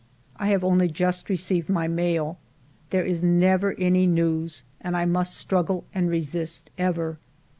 I have only just received my mail. There is never any news, and I must struggle and resist ever.